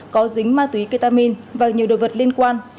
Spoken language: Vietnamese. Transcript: có dính ma túy ketamin và nhiều đồ vật liên quan